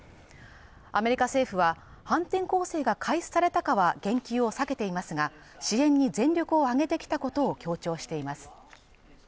アメリカ政府は、反転攻勢が開始されたかは言及を避けていますが、支援に全力を挙げてきたことを強調しています